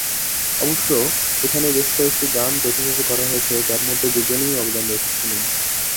অবশ্যই এখানে বেশ কয়েকটি গান যৌথভাবে করা হয়েছে যার মধ্যে দু'জনেই অবদান রেখেছিলেন।